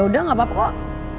yaudah nggak apa apa kok